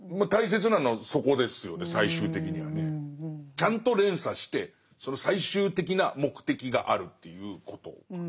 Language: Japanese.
ちゃんと連鎖して最終的な目的があるということかな。